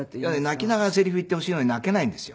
泣きながらセリフを言ってほしいのに泣けないんですよ。